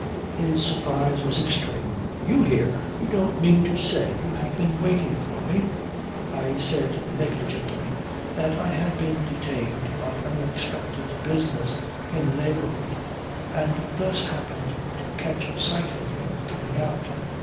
His surprise was extreme. "You here! You don't mean to say you have been waiting for me?" I said negligently that I had been detained by unexpected business in the neighbourhood, and thus happened to catch sight of him coming out.